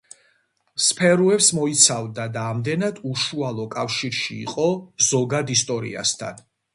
სფეროებს მოიცავდა და ამდენად უშუალო კავშირში იყო ზოგად ისტორიასთან.